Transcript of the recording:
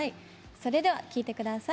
それでは聴いてください。